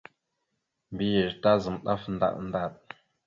Mbiyez tazam ɗaf ndaɗ ndaɗ.